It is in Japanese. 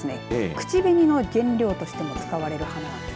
口紅の原料としても使われてる花なんです。